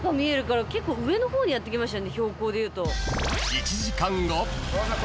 ［１時間後］